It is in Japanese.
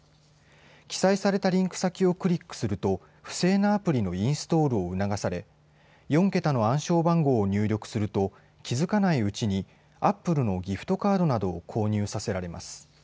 記載されたリンク先をクリックすると不正なアプリのインストールを促され４桁の暗証番号を入力すると気付かないうちにアップルのギフトカードなどを購入させられます。